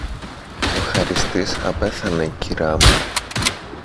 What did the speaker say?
Ο χαριστής απέθανε, κυρά μου